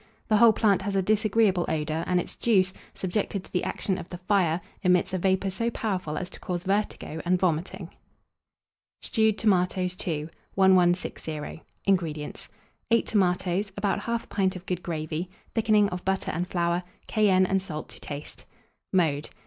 The whole plant has a disagreeable odour, and its juice, subjected to the action of the fire, emits a vapour so powerful as to cause vertigo and vomiting. II. 1160. INGREDIENTS. 8 tomatoes, about 1/2 pint of good gravy, thickening of butter and flour, cayenne and salt to taste. Mode.